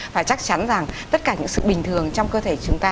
và chắc chắn rằng tất cả những sự bình thường trong cơ thể chúng ta